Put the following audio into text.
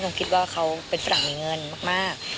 คุณคิดว่ากับเราฟลังมีเงินมาก